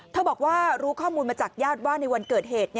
บอกว่ารู้ข้อมูลมาจากญาติว่าในวันเกิดเหตุ